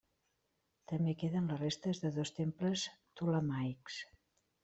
També queden les restes de dos temples ptolemaics.